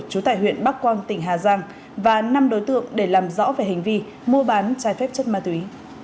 trú tại huyện bắc quang tỉnh hà giang và năm đối tượng để làm rõ về hành vi mua bán trái phép chất ma túy